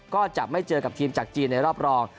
ก็จะไม่เจอกับทีมจากจีนในรอบรอง